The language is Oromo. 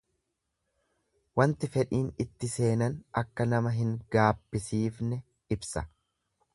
Wanti fedhiin itti seenan akka nama hin gaabbisiifne ibsa.